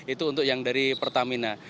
itu untuk yang dari pertamina